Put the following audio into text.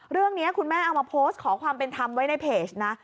เรื่องนี้คุณแม่เอามาโพสต์ขอความเป็นธรรมไว้ในเพจนะ